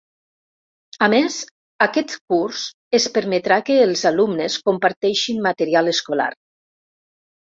A més, aquest curs es permetrà que els alumnes comparteixin material escolar.